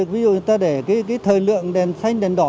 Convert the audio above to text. ví dụ người ta để cái thời lượng đèn xanh đèn đỏ